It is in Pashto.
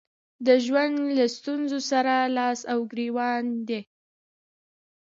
د ژوند له ستونزو سره لاس او ګرېوان دي.